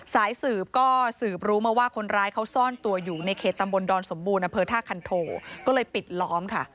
สายสืบก็สืบรู้มาว่าคนร้ายเขาซ่อนตัวอยู่ในเขตตำบลดอนสมบูรณอำเภอท่าคันโทก็เลยปิดล้อมค่ะ